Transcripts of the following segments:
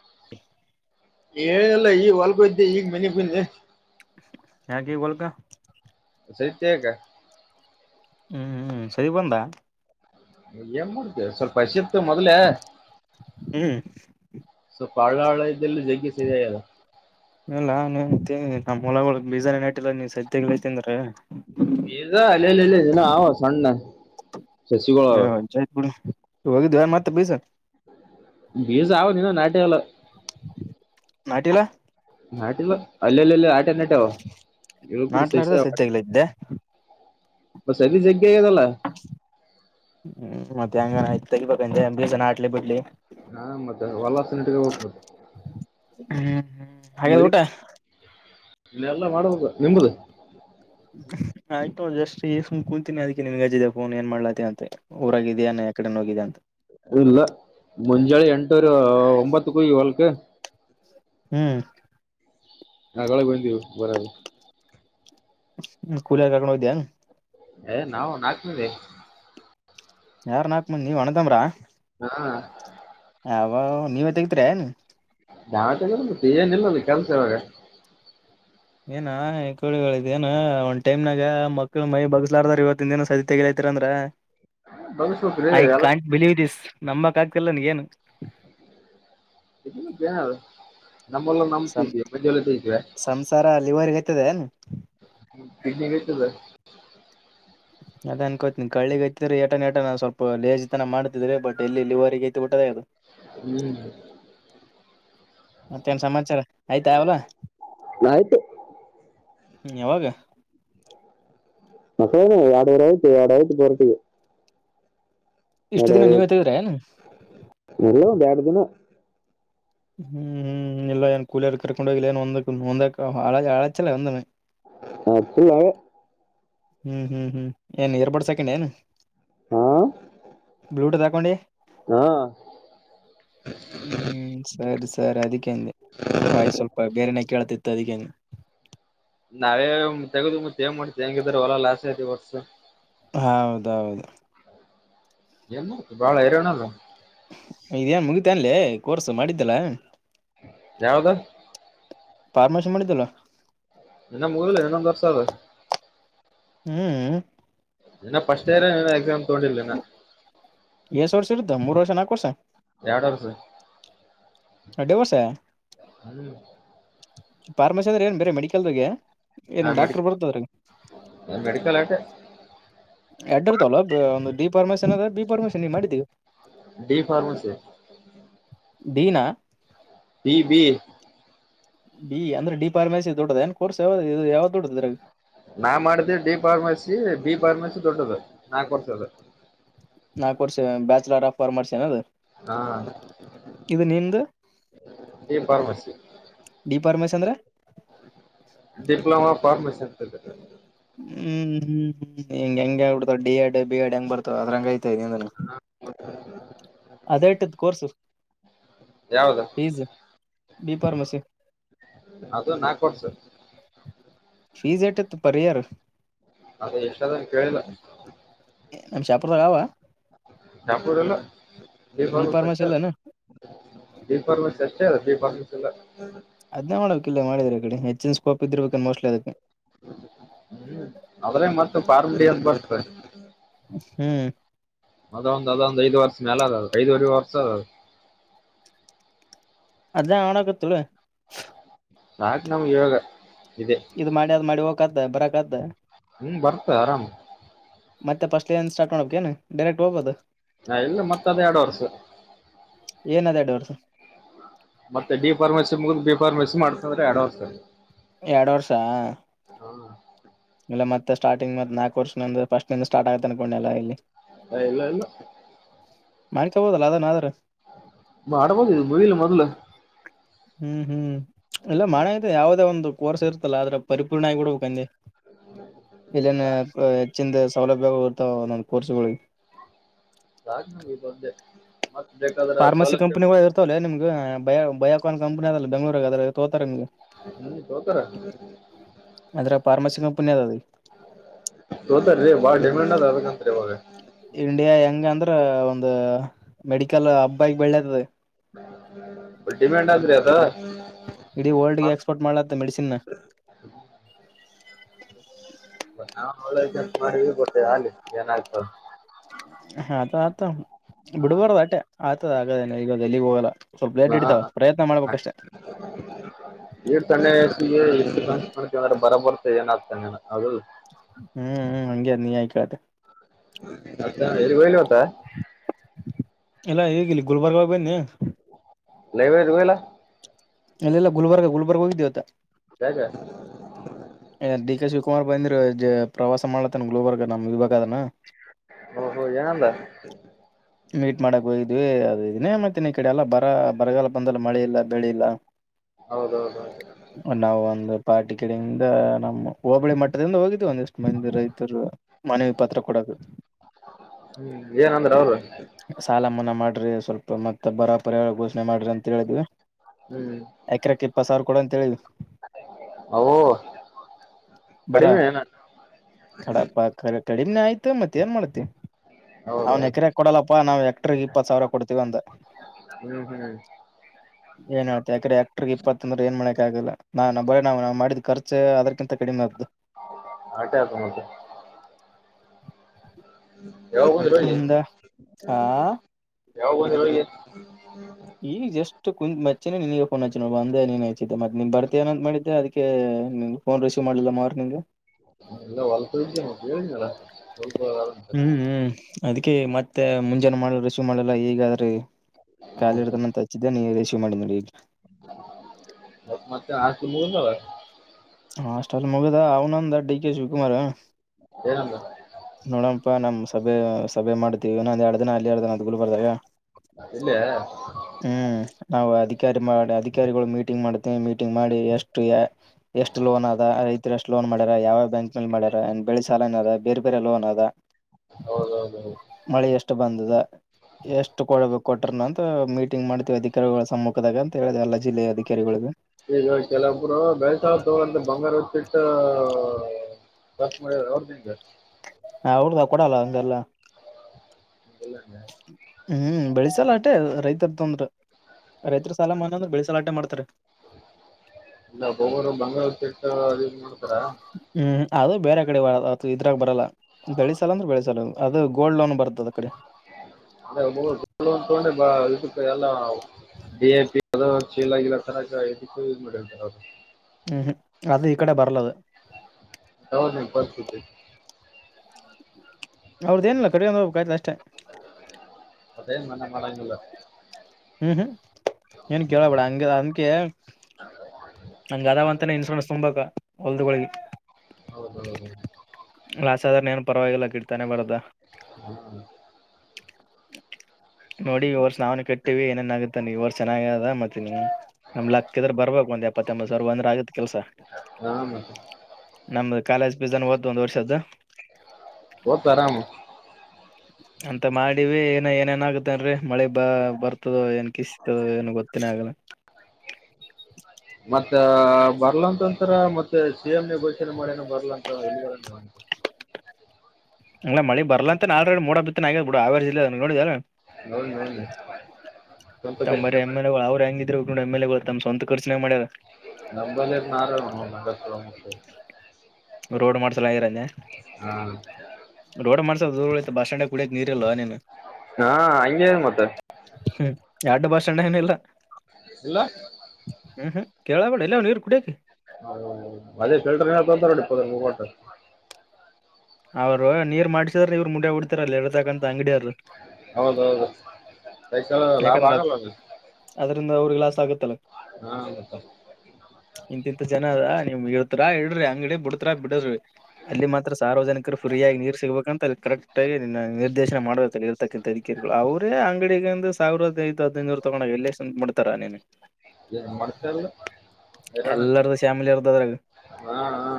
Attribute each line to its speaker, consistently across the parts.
Speaker 1: ಹ [unintelligible]
Speaker 2: ಏನಲ್ಲ ಈಗ ಹೊಲ್ಗೊಯ್ದೆ ಈಗ ಮಿನಿಗ್ ಮಿಂದೆ
Speaker 1: ಯಾಕೆ ಹೊಲ್ಗ
Speaker 2: ಸರಿತೇಕ [unintelligible]
Speaker 1: ಹ್ಮ್ ಸರಿ ಬಂದ
Speaker 2: ಎಮ್ಮ ಸ್ವಲ್ಪಷತ್ ಮೊದಲ
Speaker 1: ಹ್ಮ್
Speaker 2: ಪಾಳಾಳದಲ್ಲಿ ಜಗ್ಗ ಸಲ್ಲ
Speaker 1: ಇಲ್ಲಾ ನೀ ನಮ್ಮ ಒಳಗೊಳಗ್ ಬೀಜ ನೇಟ್ಟಿಲ್ಲ ನೀನ್ ಸತ್ಯ್ಯಗ್ತನ್
Speaker 2: ವಿದಲ್ಲಲ್ಲಲ್ಲನ [unintelligible] ಅವೋ ಸಣ್ಣ ಸಸಿಗಳು ಅವ
Speaker 1: ಹಂಚಾಯತ್ ಹ ದವಾರ ಮತ ಬಸ [unintelligible]
Speaker 2: ಭೇಜ ಅವ [unintelligible] ನೀ ನ ನಾಟ್ಯವಾಲ್ಲ
Speaker 1: ನಾಟಿಲ್ಲ
Speaker 2: ಆಟಲ್ವಾ ಅಲ್ಲೆ ಅಲ್ಲಲ್ಲ ಆಟ [unintelligible] ನಟಾವ ಕೂಡ ಸಷ
Speaker 1: ನಾಟ್ಲಾರ್ದ
Speaker 2: [unintelligible]
Speaker 1: ಸಜ್ಜಾಗ್ಲೈತಿದ್ದೆ
Speaker 2: ಬಸ್ ಅಲ್ಲಿ [unintelligible]
Speaker 1: ಹ್ಮ್ ಮತ್ತೆ ಅಂಗ ಆಯ್ತನ ತಾಗಿಬೇಕ ಹಿಂದೆ [unintelligible] ಆಲೆ ಬಿಡ್ಲಿ
Speaker 2: ಹಾ ಮತ್ತೆ ಹೊಲ್ಲಸ್ ನಿಟ್ಬೇಕು
Speaker 1: ಹ್ಮ್ ಹ್ಮ್ ಹಾಗೆದು ಊಟ
Speaker 2: ಇಲ್ಲ ಎಲ್ಲಾ ಮಾಡಬೇಕ ನಿಂಬ್ದು
Speaker 1: ಆಯ್ತು ನ ಜಸ್ಟ್ ಈ ಸುಮ್ ಕೂತೀನಿ ಅದಕ್ಕೆ ನ ನಿನ್ಗಜಿದೆ ಫೋನ್ ಏನ್ ಮಾಡ್ಲಾತಿ ಅಂತೆ. ಊರಾಗಿದೆಯಾನ ಯಕಡೆ ನ ಹೋಗಿದ ಅಂತ.
Speaker 2: ಇಲ್ಲ ಮುಂಜಳೆ ಎಂಟೂರು ಒಂಬತ್ತಕ್ಕೂ ಎಳ್ಕೆ
Speaker 1: ಹ್ಮ್
Speaker 2: ಹಾಳಗೆ ಬಂದಿವ್ ಮನೆಗೆ
Speaker 1: ಕೂಲಿಗೆ ಕರ್ಕೊಂಡ್ ಹೋಗಿದೆನ್ನು
Speaker 2: ಏ ನಾವು ನಾಕ ಮಂದಿ
Speaker 1: ಯಾರ್ ನಾಕು ಮಂದಿ ನೀವ್ ಅಣ್ತಮ್ಮರ
Speaker 2: ಹ್ಮ್
Speaker 1: ಅವ ಆವ ನಿವೆ ತೆಗಿತಿರೆನ್
Speaker 2: ನಾವ ತೆಗೆವಿಟ್ವಿ ಮತ್ತೆ ಏನ ಇಲ್ಲಲ್ಲಿ ಕೆಲ್ಸ ಇವಾಗ
Speaker 1: ಏನ ಕಳ ಹೇಳಿದ್ ಏನ್ ಒಂದ ಟಮ್ನಾಗ ಮಕ್ಳು ಮೈ ಬಗ್ಸ್ಲಾರ್ದ ಇವತ್ತಿನ ದಿನ ಸದ ತೆಗಿಲೈತಿ ದ್ರ
Speaker 2: ಬಗ್ಸ್ಬೇಕ್ರೀ
Speaker 1: ಐ
Speaker 2: ಎಲ್ಲ
Speaker 1: ಕ್ಯಾಂಟ್ ಬಿಲೀವ್ ದಿಸ್ ನಂಬಕ್ ಆಗ್ತಿಲ್ಲ ನೀ ಏನು
Speaker 2: ಏನದ ನಮ್ಮಲ್ಲ ನಮ್
Speaker 1: ಸಂ
Speaker 2: ತೆಗ್ವಿ ಮಂದಿಲ್ಲ ತೆಗಿತೀವಿ
Speaker 1: ಸಂಸಾರ ಲಿವರ್ಗೆಯ್ತದನು
Speaker 2: ಕಿಡ್ನಿ ಗತ್ತದ
Speaker 1: ಅದ ಅನ್ಕೋತ ಕಳ್ಳಿಗ್ ಐತಿದ್ರ ಏಟಾ ಏಟ ಸ್ವಲ್ಪ ಲೇಜ್ ತನ ಮಾಡ್ತಿದ್ರೆ ಬಟ್ ಎಲ್ಲಿ ಇಲ್ಲಿವರೆರಿಗೆ ಗೈತ್ ಊಟ ಅದೇ [unintelligible]
Speaker 2: ಹ್ಮ್
Speaker 1: ಮತ್ತೇನ್ ಸಮಾಚಾರ ಆಯ್ತಾ ಅವಲ್ಲ
Speaker 2: ನಾಯ್ತು
Speaker 1: ಹ್ಮ್ ಯಾವಾಗ
Speaker 2: [unintelligible]
Speaker 1: ಇಷ್ಟು ದಿನ ನೀವೇ ತೆಗದ್ರ ಏನ್
Speaker 2: [inaudible]
Speaker 1: ಹ್ಮ್ ಹ್ಮ್ ಇಲ್ಲ ನ್ ಕೂಲಿಯ ಅಕರಕ್ಕೊಂಡ ಹೋಗಲ್ಲ ಒಂದಂದ ಅ ಅಳಚಲ್ಲ ಒಂದನ
Speaker 2: [unintelligible]
Speaker 1: ಹ್ಮ್ ಹ್ಮ್ ಹ್ಮ್ ಏನ್ ಇರ್ಬಡ್ಸಕಂಡ ಏನು
Speaker 2: ಹಾ
Speaker 1: ಬ್ಲೂಟೂತ್ ಹಾಕ್ಕೊಂಡಿ
Speaker 2: ಹಾ
Speaker 1: ಹ್ಮ್ ಸರಿ ಸರಿ ಅದಕ್ಕೆಂಡೆ ವಾಯ್ಸ್ ಸ್ವಲ್ಪ ಬೇರೆನ ಕೇಳ್ತಿತ್ತು ಅದಕ್ಕೇನೆ
Speaker 2: ನಾವೇ ತೆಗದು ಮತ್ತ ಏನ್ ಮಾಡ್ತ ಹೆಂಗಿದ್ರ ಹೊಲ ಲಾಸ್ ಐತಿ ವರ್ಷ
Speaker 1: ಹ ಹೌದೌದು
Speaker 2: ಏನ್ಯ್ತು ಬಾಳ ಹರ್ಯೋಣಲ್
Speaker 1: ಇದೇನ್ ಮುಗಿತ ಅಲ್ಲಿ ಕೋರ್ಸ್ ಮಾಡಿದ್ದಲ್ಲ
Speaker 2: ಯಾವಾವದು
Speaker 1: ಪಫಾರ್ಮರ್ಶಿ ಮಾಡಿದ್ದಲ್ಲ
Speaker 2: ಇನ ಮುಗಲ್ಲ ಇನ ಒಂದ್ ವರ್ಸ ಇದೆ
Speaker 1: ಹ್ಮ್
Speaker 2: ತಗೊಂಡಿಲ್ಲನಾ
Speaker 1: ಎಷ್ಟ ವರ್ಷ ಇರುದ ಮೂರ್ ವರ್ಷ ನಾಕ ವರ್ಷ
Speaker 2: ಎಡು ವರ್ಸ
Speaker 1: ಹ ವೋಸ ಫಾರ್ಮಸಿ ಅಂದ್ರೆ ಏನ್ ಬೇರೆ ಮೆಡಿಕಲ್ದಗೆ
Speaker 2: ಹಾ ಮೆಡಿಕಲ್ ಮೆಡಿಕಲ್ ಆಟೆ
Speaker 1: ಎಡರ್ತಲ್ವಾ ಒಂದು ಡಿ ಪರ್ಮಿಷನ್ ಅದ ಬಿ ಪರ್ಮಿಷನ್ ನೀವು ಮಾಡಿದ್ದೀವಿ
Speaker 2: ಡಿಫಾರ್ಮಾಸ
Speaker 1: ಡಿನಾ
Speaker 2: ಬೀ ಬೀ
Speaker 1: ಬಿ ಅಂದ್ರೆ ಡಿ ಫ್ಮಸಿ ದೊಡ್ಡದ ಏನ್ ಕೋರ್ಸ್ ಯಾವ್ದದು ಯಾವ್ದ ದೊಡದ ಇದ್ರಾಗ
Speaker 2: ನಾ ಮಾಡಿದ ಡಿ ಫಾರ್ಮಸಿ ಬಿ ಫಾರ್ಮಸಿ ದೊಡ್ಡದು ನಾ ಕೊಡ್ತದೆ
Speaker 1: ನಾಕೋರ್ಸ ಬ್ಯಾಚುಲರ್ ಆಫ್ ಕ್ಮರ್ಸ್ ಏನದು
Speaker 2: ಹಾ
Speaker 1: ಇದು ನಿಂದು
Speaker 2: ಪರ್ವಸಿ
Speaker 1: ಪರಮ ಅಂದ್ರ
Speaker 2: ಡಿಪ್ಲಮಾ ಪಾರ್ ಮಸತ
Speaker 1: ಹ್ಮ್ ಹ್ಮ್ ಹ್ಮ್ ಹಂಗೆ ಹೆಂಗ ಆಗ ಬಿಡ್ತ ಡಿ ಎಡ್ ಬಿ ಎಡ್ ಹೆಂಗ್ ಬರ್ತ ಅದ್ರಂಗ ಐ್ತಾ ಇದ ಅಂದನ್ನು ಅದೇಟದ ಕೋರ್ಸು
Speaker 2: ಯಾವ್ದ
Speaker 1: ಪೀಸ್ ಬಿಫಾರ್ಮಾಸಿ
Speaker 2: ಅದು ನಾಕ್ ವರ್ಷ
Speaker 1: ಫೀಸ್ೇಟ್ತ್ ಪರಿಯರ್
Speaker 2: ಅದ ಎಷ್ಟಾದ್ರೂ ಕೇಳಿಲ್ಲ
Speaker 1: ನಮ್ಮ ಚಾಪರ್ದ ಕಾವ
Speaker 2: ಕಾಪಡಲ್ಲ ದ
Speaker 1: ಬಿ
Speaker 2: ದ
Speaker 1: ಫಾರ್ಮಸಿ
Speaker 2: ದೆ
Speaker 1: ಇಲ್ಲನ
Speaker 2: ಡಿ ಫರ್ಮರ್ಸಿ ಅಲ್ಲ
Speaker 1: ಅದ್ೇ ಮಾಡ್ಬೇಕಕ್ಿಲ್ಲ ಮಾಡಿದ್ರ ಕಡೆ ಹೆಚ್ಚಿನ ಸ್ಕೋಪ್ ಇದಿರ್ಬೇಕ ಮೋಸ್ಟ್ಲಿ ಅದಕ್ಕೆ
Speaker 2: ಹ್ಮ್ ಆದ್ರೆ ಮತ್ತ ಪಾರದ ಬರ್ತಾರೆ
Speaker 1: ಹ್ಮ್
Speaker 2: ಅದ ಒಂದ್ ಅದ ಒಂದ್ ಐದ್ ವರ್ಷ ಮೇಾಲ ಅದ ಐದುವರೆ ವರ್ಷ ಅದದ
Speaker 1: ಅದೇ ಅವನ ಕ ತಳು
Speaker 2: ಸಾಕ ನವು ಇವಾಗ ಇದೆ
Speaker 1: ಇದು ಮಾಡಿ ಅದ್ ಮಾಡಿ ಹೋಗಕ್ದ ಬರಕ್ದ
Speaker 2: ಹ್ಮ್ ಬರ್ತ ಆರಾಮ
Speaker 1: ಮತ್ತೆ ಫಸ್ಟ್ ಏನ್ ಸ್ಟಾರ್ಟ್ ಮಾಡ ಏ ಡೈರೆಕ್ಟ್ ಹೋಗಬೋದು
Speaker 2: ನಾ ಇಲ್ಲ ಮತ್ತ ಅದ್ ಎರಡು ವರ್ಷ
Speaker 1: ಏನದ ಎರಡು ವರ್ಷ
Speaker 2: ಮತ್ತೆ ಡಿ ಫಾರ್ಮಸಿ ಮುಗ ಬಿ ಫಾರ್ಮಸಿ ಮಾಡ್ಸಂದ್ರೆ ಅಡ್ವಾನ್ಸ್
Speaker 1: ಎರಡು ವರ್ಷ ಇಲ್ಲ ಮತ್ತೆ ಸಾರ್ಟಿಂಗ್ ಮತ್ ನಾಲ್ಕ್ ವರ್ಷ ಸ್ಟ್ ಸ್ಟ್ ಆಗತ್ ಅನ್ಕೊಂಡ ಎಲ್ಲ ಇಲ್ಲಿ
Speaker 2: ಹ ಎಲ್ಲ ಎಲ್ಲ
Speaker 1: ಮಾಡ ತ ಹೋದಲ್ಲ ಅದನ್ ಅದ್ರ
Speaker 2: ಅಡಬದು ಇದು ಮಯಿಲು ಮ
Speaker 1: ಹ್ಮ್ ಹ್ಮ್ ಎಲ್ಲ ಮಾಡತೆ ಯಾಾವದೇ ಒಂದು ಲ್ಲ ಆದ್ರ ಪರಿಪೂರ್ಣ ಆ ಕಡಬೇಕಂದೆ ಇನ ಹೆಚ್ಚಂದ ಸೌಲಭ್ಯ ನ ಕೋರ್ಸಗಳಿ
Speaker 2: ರಾಗ ನಮಂಗ ಇದುದ್ದೆ
Speaker 1: ಫಾರ್ಮಸಿ ಕಂಪನಿೂಡ ಇರ್ತವಲ್ಲೆ ನಿಮ್ಗ ಬಯ ಬಯೋಕಾನ್ಂನಿ ಅದಲ್ಲ ಬೆಂಗಳೂರಿಗೆ ಅದ್ರೆ ತೋತಾರೆ ನಿಮ್ಗೆ
Speaker 2: ಹ್ಮ್ ತೂತರ
Speaker 1: ಅದ್ರ ಫಾರ್ಮಸಿ ಕಂಪನಿ ಅದ
Speaker 2: ತೋತರಿ ಬಾಳ ಡಿಮಂಡ ಅದು
Speaker 1: ಇಂಡಿಯಾ ಹೆಂಗ ಅಂದ್ರ ಒಂದು ಮೆಡಿಕಲ್ ಹಬ್ಬ ಬೆಳ್ಳತದ
Speaker 2: ಡಿಮ್ಯಾಂಡ್ ಆದ್ರಿ ಅದ
Speaker 1: ಇಡೀ ವರ್ಲ್ಡ್ಗೆ ಎಕ್ಸ್ಪೋರ್ಟ್ ಮಾಡ್ಲತ್ತ ಮೆಡಿಸಿನ್
Speaker 2: ನಾವು ಕೆಸ ಮಾಡ ಕೊಟ್ಟೇ ಅಲ್ಲಿ ಏನಾಗ್ತ
Speaker 1: ಹಾ ಆತ ಬಿಡ್ಬಾರ್ದ ಅಟ್ಟೆ ಆಗ್ತದ ಆಗದೇ ಈಗ ಎಲ್ಲಿಗ್ ಹೋಗಲ್ಲ ಸ್ವಲ್ಪ ಬ್ಲೇಟ್ ಇಡಿತತಾವ ಪ್ರಯತ್ನ ಮಾಡ್ಬೇಕಷ್ಟೆ
Speaker 2: ಯೇಟತ ಅನ್ಯಾಗ್ ಐತ ಲೇ ದ್ರೆ ಬರ ಬರ್ ಏನ್ ಆಗ್ತದೆ ಅ
Speaker 1: ಹ್ಮ್ ಹ್ಮ್ ಹಂಗಗೆ ನೀಯಾಯತ
Speaker 2: ಲ್ಲಿಲಿ ಗತ್ತ
Speaker 1: ಎಲ್ಲಾ ಹೇಗಿಲ್ಲ ಗುಲ್ಬರ್ಗಾಗ ಬನ್ನಿ
Speaker 2: ಲೈಬ್ರರಿ ಲ್ಲಾ
Speaker 1: ಅಲ್ಲೆಲ್ಲ ಗುಲ್ಬರ್ಗ ಗುಲ್ಬರ್ಗ ಹೋಗಿದ್ದೇವತ್ತ
Speaker 2: ಯಾಕೆ
Speaker 1: ಎ ಡಿಕ ಶಿವ ಕುಮಾರ್ ಬ ಪ್ರವಾಸ ಮಾಡಲತ್ತನ ಗ್ಲೋಬರ್ಗ ನಮ್ ಇ ಅದನ
Speaker 2: ಹೊ ಹ ಯನಂದ
Speaker 1: ಮೀಟ್ ಮಾಡಕ್ ಹಯ್ದ್ ಅದ ಇದಿನೇ ಮತ್ತೆನ ಈ ಕಡೆ ಎಲ್ಲ ಬರ ಬರಗಲ್ಲ ಬಂದ ಮಳೆ ಇಲ್ಲ ಬೆಳಿ ಇಲ್ಲ
Speaker 2: ಹೌದೌದು
Speaker 1: ನಾವು ಒಂದು ಪಟಿ ಕಡೆಯಿಂದ ನಮ್ಮ್ ಹೋಬಳಿ ಮಟ್ಟದಿಂದ ಹೋಗ ಇ ಒಂದಿಷ್ಟು ಮಂದಿ ರೈತರು ಮನವಿ ಪಾತ್ರ ಕೊಡಬೇಕ
Speaker 2: ಹ್ಮ್ ಏನಂದ್ರ ಅವ್ರು
Speaker 1: ಸಾಲ ಮನ್ನಾ ಮಾಡ್ರಿ ಸ್ವಲ್ಪ ಮತ್ತೆ ಬರಾಬರಿಗೋ ಮಾಡ್ರಿ ಅಂತ ಹೇಳಿದ್ವಿ ಎಕ್ರಕ್ ಇಪ್ಪ ಸಾವಿರ ಕೊಡ ಅಂತ ಹೇಳಿದ್ವಿ
Speaker 2: ಹ
Speaker 1: ಬರಾ ಕಡಪಕ ಕಡಿಮೆ ಆಯ್ತ ಮತ್ತೆ ಏನ್ ಮಾಡ್ತಿ ಅವ್ನ್
Speaker 2: ಹೌದೌದು
Speaker 1: ಎಕರೆ ಕೊಡಲ್ಲಪ್ಪಾ ನಾವ್ ಎಕ್ಟ್ರ ಇಪ್ಪತ್ ಸಾವಿರ ಕೊಡ್ತೀವಿ ಅಂತ
Speaker 2: ಹ್ಮ್ ಹ್ಮ್
Speaker 1: ಏನ್ ಯಾಕಡೆ ಎಕ್ಟ್ರ ಇಪ್ಪತ್ತ ಅಂದ್ರೆ ಏನ್ ಮಾಡಕ್ ಆಗಲ್ಲ ನಾ ಬರೇ ನಾವು ಮಾಡಿದ ರ್ಚೆ ಅದಕ್ಕಿಂತ ಕಡಿಮೆದ್ದು
Speaker 2: ಆಟ ಆತ ನೋತ ಹ್ಮ
Speaker 1: ಅಂದ ಹಾ
Speaker 2: ಯಾವವಿಗೆ
Speaker 1: ಈಗ ಜಸ್ಟ್ ಕುಂತ್ ಮಚ್ಚೆನೆ ನಿನ ಫೋನ್ ಹಚ್ಚಿ ನೋ ಬಂದೆ ನೀನ್ ಹಚ್ಚಿದ್ದೆತ್ತ ನೀನ್ ಬರ್ತ ಏನಂತ ಮಾಡಿದ್ದೆ ಅದಕ್ಕೆ ನಿಮ್ ಫೋನ್ ರಿಸೀವ್ ಮಾಡ್ಲಿಲ್ಲ ಮಾರ್ನಿಂಗ್
Speaker 2: ಏ
Speaker 1: ಹ್ಮ್ ಹ್ಮ್ ಅದ ಮತ್ತೆ ಮುಂಜಾನೆ ಮಾಡ ರೆಶ್ ಮಾಡಲ್ಲ ಈಗಾದ್ರೆ ಕಾಲಿರ್ತಂತ ಹಚ್ಚಿದ್ದೇ ನೀ ಮಾಡಿದ ನಡಿ ಈಗ
Speaker 2: ಮ ಮ ಹಕು ನ ನವ
Speaker 1: ಹಾಸ್ಟಲ್ ಮುಗದ ಅವನಂದ ಡಿ ಕೆ ಶಿವಕುಮಾರ್
Speaker 2: ಏನಂದ
Speaker 1: ನೋಡಪ್ಪ ನಮ್ಮ ಸಭೆ ಸೆ ಮಾಡತೀವಿ ನೊಂದ ಎರಡು ದಿನ ಅಲ್ಲಿ ಎರಡು ದಿನ ಅದ್ ಗು ಬರ್ದಾಗ
Speaker 2: ಇಲ್ಲಯಾ
Speaker 1: ನಾವು ಅಧಿಕಾರಿ ಮಾಡಿ ಅಧಿಕಾರಿಗಳು ಮೀಟಿಂಗ್ ಮಾಡ್ತೀ ಮೀಟಿಂಗ್ ಮಾಡಿ ಎಷ್ಟು ಲೋನ್ ಅದ ರೈತರು ಎಷ್ಟು ಲೋನ್ ಯಾವ ಬ್ಯಾಂಕ್ ಮಲ್ಲಿ ಮಾಡಾರ್ ಬೆಳೆಲನ್ ಅದ ಬೇರೆ ಬೇರೆ ಲೋನ್ ಅದ
Speaker 2: ಹೌದದು
Speaker 1: ಮಳೆ ಬಂದದ ಎಷ್ಟು ಕೊಡಬೇಕು ಕೊಟ್ರನ ಅಂತ ಮೀಟಿಂಗ್ ಮಾಡ್ತೀವಿ ಅಧಿಕಾರಿಗಳ ಸಮ್ಮುಖದಾಗಂತ ಅಂತ ಹೇಳಿದಲ್ಲ ಜಿಲ್ಲೆಯ ಅಧಿಕಾರಿಗಳಿಗೆ
Speaker 2: ಇದು ಕೆಲವೊಬ್ರು ಬೆಳ್ಸಾವ ತಗಂತ ಬಂಗಾರಟ್ಟ ಬಸ್ ಮೆ ಅವ ಬಗ
Speaker 1: ಅವರುದಾ ಕೂಡಲ್ಲ ಅಂಗ ಎಲ್ಲ
Speaker 2: ಇಲ್ಲ ಹಂಗೆ.
Speaker 1: ಹ್ಮ್ ಬೆಳ ಬೆಳಸಲಾಟೆ ರೈತರ ತೊಂದ್ರ ರೈತರ ಸಾಲ ಮಾಡ ಅಂದ್ರ ಬೆಳಸಲಾಟೆ ಮಾಡ್ತಾರೆ
Speaker 2: ಇಲ್ಲ ಒಬ್ಬರು ಬಂಗಾಳ ಸೆಟ್ಟ ಅ
Speaker 1: ಹ್ಮ್ ಅದು ಬೇರೆ ಕಡೆದು ಇದ್ರಾಗ ಬರಲ್ಲ ಬೆಳೆಸಾಲ ಅಂದ್ರೆ ಬೆಳೆಸಾಲದು ಅದು ಗೋಲ್ಡ್ ಲೋನ್ ಬರ್ತದೆ
Speaker 2: ಅ ಒಬ್ಬ ತೋಡೆ ಬ ಇ ಎಲ್ಲ ಡಿ ಐ ಪಿ ಅ ಚೀಲ್ ಆಗಿಲ್ಲ ತ ಮಾಡದು
Speaker 1: ಹ್ಮ್ ಹ್ಮ್ ಅದು ಈ ಕಡೆ ಬರ್ಲದು
Speaker 2: ಹೌ ನ ಬತ
Speaker 1: ಅವ್ರದ ಏನಲ್ಲ ಕಡಿಯಂದ ಹೋಗ್ಾಯ್ತು ಅಷ್ಟೇ
Speaker 2: ಅದೇ ನನ್ನೆ ಮಾಡಂಗಿಲ್ಲ
Speaker 1: ಹ್ಮ್ ಹ್ಮ ಏನಕ್ಕೆಲಪಡ ಅಂಗ ಅಂದಕ್ಕೆ ನಂಗ ಅದಾವ ಅಂತಾನೆ ಇನ್ಸೂಡೆನ್ಸ್ ತುಂಬಬೇಕ ಹೊಲ್ದಗಳಿಗೆ
Speaker 2: ಹೌದೌದು
Speaker 1: ಲಾಸ್ ಆದ್ರ ೇನು ಪರವಾಗಿಲ್ಲ ಕಿಡ್ತಾನೆ ಬರದ ನೋಡಿ ಅವರ ಸ್ನಾವನ ಕಟ್ಟ ಏನೇನ್ ಆಗುತ್ತೆ ನೀವ್ರ್ ಚೆನ್ನಾಗದ ಮತ್ತ ನೀವು ನಮ್ ಲಕ್ಕಕ್ ಇದ್ರ ಬರ್ಬೇಕು ಒಂದ ಎಪ್ಪತ್ತತ್ಂಬತ್ತು ಸಾವಿರ ಒಂದ್ರ ಆಗೆ ಕೆಲಸ
Speaker 2: ಹಾ
Speaker 1: ನಮ್ದ ಕಾಲೇಜ್ ಪಿಝಾನ್ ಹವತ್ತು ಒಂದ್ ವರ್ಷದ್ದು
Speaker 2: ಬತ ಆರಾಮ ಹ
Speaker 1: ಅಂತ ಮಾಡೀಿವ ಏನ ಏನ ಏನಾಗತ್ತನ್ರರಿ ಮಳೆ ಬ ಬರ್ತದೋ ಏನ್ ಕಿಸತದೋ ಏನ ಗೊತ್ತಿನೇ ಆಗಲ್ಲ
Speaker 2: ಹ ಮತ್ತ ಬರ್ಲಂತ ಅಂತರ ಮತ್ತೆ ಸಿಎಂ ಘೋಷಣೆ ಮಾಡೇನ ಬರ್ಲ ಅಂತ ಇಲ್ವ [inaudible]
Speaker 1: ಅಂಗಾ ಮಳಿ ಬರ್ಲ್ಲ ಅಂತ ನಾಡ್ೋಡ ಬಿ ಆಡ ಅವೇರ್ಜಿಲ್ಲ ನೋದ್ರ
Speaker 2: ನೋಡಿ ನೋಡಿ ಸ್ವಂತ
Speaker 1: ತಮ್ಮ ಬರ
Speaker 2: ಘೋಷಣೆ
Speaker 1: ಎಮ್
Speaker 2: ಮಾಡಿ
Speaker 1: ಎಲ್ ಗಳು ಅವ್ರು ಹೆಂಗಿದ್ರರು ಎ ಎಲ್ ಗಳು ತಮ್ಮ್ ಸ್ವಂತ ಕರ್ಸ
Speaker 2: ನಂಬಲರ್ ನಾರಣ ನಟ ಪ್ರಮುಖ್ಯ
Speaker 1: ರೋಡ್ ಮಾಡ್ಸಲ ಆಗರದೆ ರೋಡ್ ಮಾಡ್ಸ ದೂಳ ಬಸ್ ಸ್ಟ್ಯಾಂಡ್ ಕುಡಿಯ ನೀರು ಅವನೇನು
Speaker 2: ಹಾ ಹಂಗೆ ಮತ್ತೆ
Speaker 1: ಹ್ಮ ಯರಡು ಬಸ್್ಟ್ಯಾಂಡ ಏನ ಇಲ್ಲ
Speaker 2: ಇಲ್ಲ
Speaker 1: ಹ್ಮ್ ಹ್ಮ ಕೇಳ್ಬೇಡಲ್ಲ ನೀರು ಕುಡಿಯಕ್ಕೆ
Speaker 2: ಹ ಮೆ ಫಲ್್ಟರ್ ಇತಂತ ವಟ
Speaker 1: ಅವ್ರು ನೀರ್ ಮಾಡ್ಸಿದ್ರ ಇವ್ರು ಮುಡಿ ಉಡ್ತರಲ್ಲ ಇರರ್ತಕ್ಕಂತ ಅಂಗಡಿ
Speaker 2: ಹೌದೌದು ಕೈ ಲಾಭ ಆಗಲ್ಲದು
Speaker 1: ಅವ್ರಸ್ ಆಗುತ್ತಲ್ಲ ಇಂತಿಂತ ಜನ ನೀವ್ ಇತ್ರಾ ಇಡ್ರಿ ಅಂಗಡಿ ಬಿಡತರಾ ಬಿಡ್ರಿ ಅಲ್ಲಿ ಮಾತ್ರ ಸಾರ್ವಜನಿಕರು ಫ್ರೀಯಗಿ ನೀರ್ ಸಿಗ್ಬೇಕಂತ ಕರೆಕ್ಟ್ ಆಗಿನ್ನ ನಿರ್ದೇಶನ ಮಾಡ ಇರ್ತಕ್ಕಂಥ ತರಿಕರುಗಳು ಅವರೇ ಅಂಗಡಿಗಂದ್ರ ಸಾವಿರದಐದು ಹದೈನೂರು ತಗಳೋಗ ಎಲ್ಲ ಎ್ಡ್ತಾರ ನೀನು
Speaker 2: ಎ ನಂಬಡ್ ಸರ್
Speaker 1: ಎಲ್ಲಾರ್ದು ಫ್ಯಾಮಿಯ ಯರ್್ದ ಅದ್ರಾಗ
Speaker 2: ಹಾ ಹಾ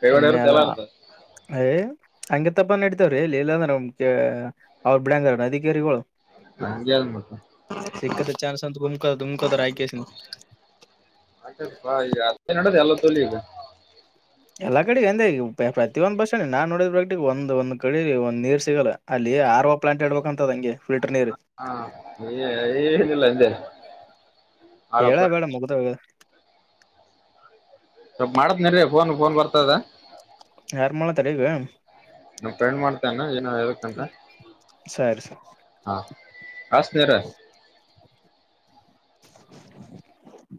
Speaker 2: ಕೈವಾಡ ಇರುತ್ತೆ
Speaker 1: ುಮನೆಲ್ಲ
Speaker 2: ಎಲ್ಲ ಇರುತ್ತೆ
Speaker 1: ಹ ಹಂಗ ತಪ್ಪ ನ ನಡತೇವ್ರೀ ಇಲ್ಲಿ ಇಲ್ಲಾಂದ್ರ ಅವ್ರು ಬಿಡಂಗಾರ ಅಧಿಕಾರಿಗಳು
Speaker 2: ಹಂಗೆ ಅದ್ ಮತ್ತೆ
Speaker 1: ಸಿಕ್ಕತ ಚಾನ ಸ ಉಮಕ ುಮಕತ ಆಯಕಸ
Speaker 2: ಅಪಾ ಈ ಅದೇ ನದು ಎಲ್ಲ ತಳಿಗ
Speaker 1: ಎಲ್ಲಾ ಕಡೆಗೆ ಎಂದ ಈ ಪ್ರತೊಂದ್ ಬಸ್ಷಣ ನಾ ನೋಡಿದ ಒಂದ್ ಒಂದ್ ಕಡೆ ಒಂದ್ ನೀರ್ ಸಿಗಲ್ಲ ಅಲ್ಲಿ ಆರ ಪ್ಲಾಂಟ್ ಇಡ್ಬೇಕಂತದಂಗೆ ಫಿಲ್ಟರ್ ನೀರ್
Speaker 2: ಹಾ ಏ- ಏನಿಲ್ಲ ಹಿಂದೆ
Speaker 1: ಕೇಳ ಬೇಡ ಮುಗ್ದವ
Speaker 2: ಸ್ವ ಮಾಡತ್ ನೀನ್ೀ ಫೋನ್ ಫೋನ್ ಬರ್ತದ
Speaker 1: ಯಾರ್ ಮಾಡತಾರ ಈಗ
Speaker 2: ನನ್ ಫ್ರೆಂಡ್ ಮಾಡ್ತೇನ ಏನ ಹೇಳ್ಬೇಕಂತ
Speaker 1: ಸರಿ ಸರಿ.
Speaker 2: ಹಾ ಹಷ್ಟತರ
Speaker 1: [inaudible]